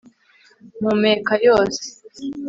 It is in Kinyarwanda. mpumeka yose